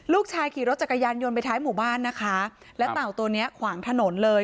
ลูกชายขี่รถจักรยานยนต์ไปท้ายหมู่บ้านนะคะและเต่าตัวเนี้ยขวางถนนเลย